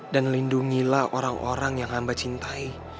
dan lindungilah orang orang yang hamba cintai